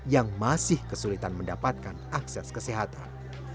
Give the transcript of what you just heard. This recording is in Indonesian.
yang masih kesulitan mendapatkan akses kesehatan